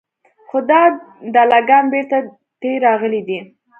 خو دا دله ګان بېرته تې راغلي دي.